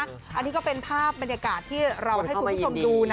อันนี้ก็เป็นภาพบรรยากาศที่เราให้คุณผู้ชมดูนะ